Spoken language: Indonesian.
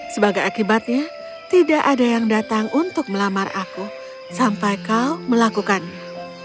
sebagai akibatnya tidak ada yang datang untuk melamar aku sampai kau melakukannya